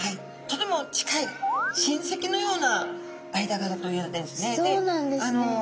とても近い親戚のような間柄といわれているんですね。